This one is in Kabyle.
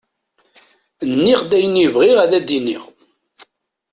Nniɣ-d ayen i bɣiɣ ad d-iniɣ.